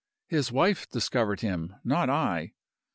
His wife discovered him not I.